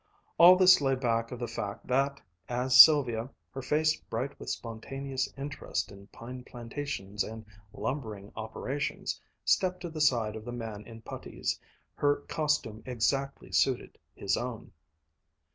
All this lay back of the fact that, as Sylvia, her face bright with spontaneous interest in pine plantations and lumbering operations, stepped to the side of the man in puttees, her costume exactly suited his own.